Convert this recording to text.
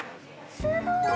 すごい！